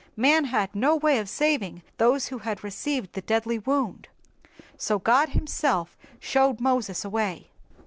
"Man had no way of saving those who had received the deadly wound, so God himself showed Moses a way.